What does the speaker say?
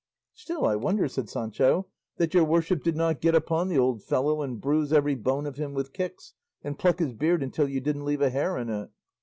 "Still I wonder," said Sancho, "that your worship did not get upon the old fellow and bruise every bone of him with kicks, and pluck his beard until you didn't leave a hair in it."